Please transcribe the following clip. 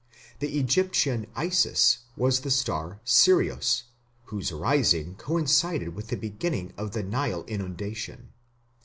The Egyptian Isis was the star Sirius, whose rising coincided with the beginning of the Nile inundation.